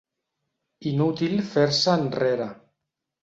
Inútil fer-se enrere.